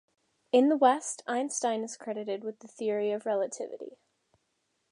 In the West, Einstein is credited with the Theory of Relativity.